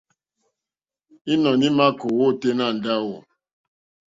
Ínɔ̀ní í mà kòòwá ôténá ndáwù.